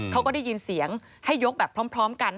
เขาก็ได้ยินเสียงให้ยกแบบพร้อมกัน